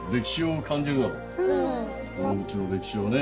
この家の歴史をね。